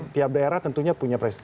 tiap daerah tentunya punya